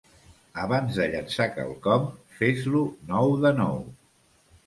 Abans de llençar quelcom, fes-lo nou de nou.